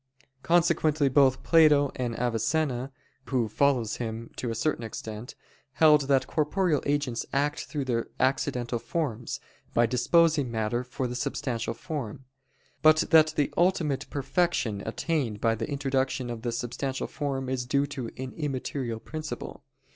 Consequently both Plato and Avicenna, who follows him to a certain extent, held that corporeal agents act through their accidental forms, by disposing matter for the substantial form; but that the ultimate perfection attained by the introduction of the substantial form is due to an immaterial principle.